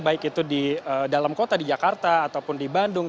baik itu di dalam kota di jakarta ataupun di bandung